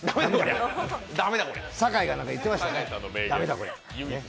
酒井がなんか言ってましたね。